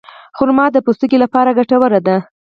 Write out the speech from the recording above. خرما د پوستکي لپاره ګټوره ده.